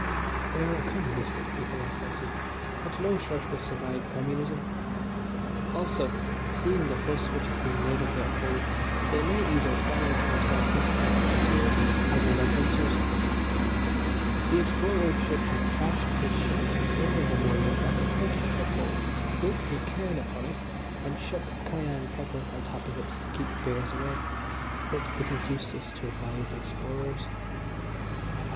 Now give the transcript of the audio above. They are a communistic people, I fancy, and no shirt will survive communism. Also, seeing the fuss which is being made of their Pole, they may either hide it or sell pieces of it to tourists as remembrancers. "The explorer should have cached his shirt and other memorials at the foot of the Pole, built a cairn upon it, and shook cayenne pepper on top of all to keep bears away but it is useless to advise explorers."